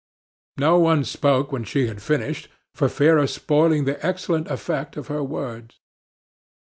No one spoke when she had finished for fear of spoiling the excellent effect of her words.